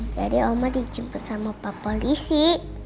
jadi oma dijemput sama pak polisi